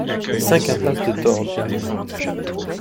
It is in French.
cinq impasse de Tordes